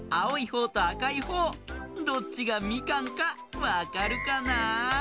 ほうとあかいほうどっちがみかんかわかるかな？